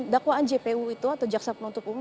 dakwaan jpu itu atau jaksa penuntut umum